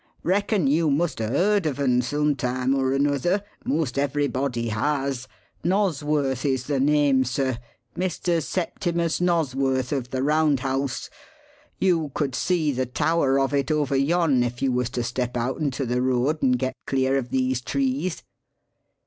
Reckon you must 'a' heard of un some time or another most everybody has. Nosworth is the name, sir Mr. Septimus Nosworth of the Round House. You could see the tower of it over yon if you was to step out into the road and get clear of these trees."